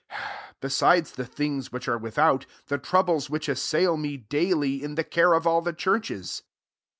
28 Besides the things which are without, the troubles which assail me daily, in the care of all the churches.